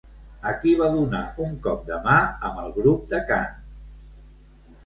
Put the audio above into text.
A qui va donar un cop de mà amb el grup de cant?